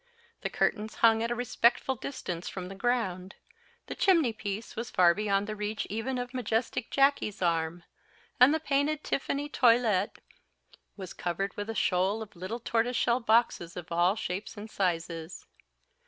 The curtains hung at a respectful distance from the ground; the chimney piece was far beyond the reach even of the majestic Jacky's arm; and the painted tiffany toilet was covered with a shoal of little tortoise shell boxes of all shapes and sizes.